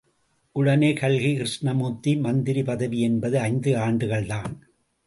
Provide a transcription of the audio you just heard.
உடனே கல்கி கிருஷ்ணமூர்த்தி, மந்திரி பதவி என்பது ஐந்து ஆண்டுகள்தான்.